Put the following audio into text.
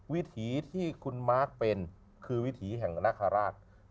วิถีที่คุณมาร์คเป็นคือวิถีแห่งนาคาราช